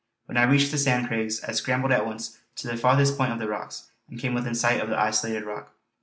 When I reached the Sand Craigs I scrambled at once to the farthest point of the rocks, and came within sight of the isolated rock.